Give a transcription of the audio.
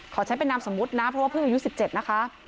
ขอใช้เป็นนามสมมุตินะเพราะว่าเพิ่งอายุ๑๗นะคะ